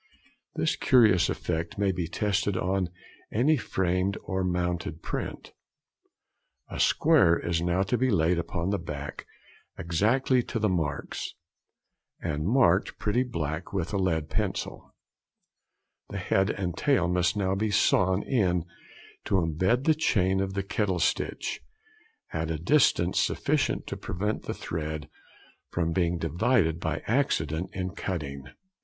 This curious effect may be tested on any framed or mounted print. A square is now to be laid upon the back exactly to the marks, and marked pretty black with a lead pencil; the head and tail must now be sawn in to imbed the chain of the kettle stitch, at a distance sufficient to prevent the thread being divided by accident in cutting.